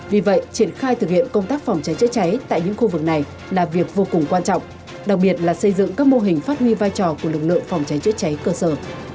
vì vậy triển khai thực hiện công tác phòng cháy chữa cháy tại những khu vực này là việc vô cùng quan trọng đặc biệt là xây dựng các mô hình phát huy vai trò của lực lượng phòng cháy chữa cháy cơ sở